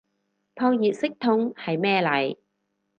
撲熱息痛係咩嚟